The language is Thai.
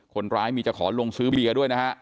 คนร้ายมีจะขอลงซื้อเบียร์ด้วยนะฮะ